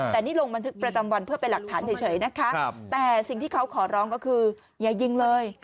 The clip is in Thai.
แต่นี่ลงบันทึกประจำวันเพื่อเป็นหลักฐานเฉยนะคะแต่สิ่งที่เขาขอร้องก็คืออย่ายิงเลย